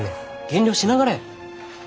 減量しながらや。